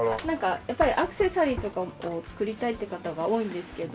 やっぱりアクセサリーとかを作りたいって方が多いんですけども。